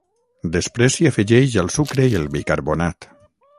després s'hi afegeix el sucre i el bicarbonat